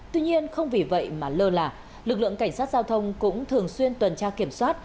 tuy nhiên không vì vậy mà lơ là lực lượng cảnh sát giao thông cũng thường xuyên tuần tra kiểm soát